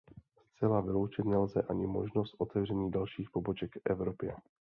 Zcela vyloučit nelze ani možnost otevření dalších poboček v Evropě.